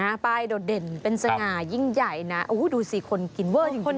ป้ายโดดเด่นเป็นสง่ายิ่งใหญ่นะโอ้โหดูสิคนกินเวอร์จริง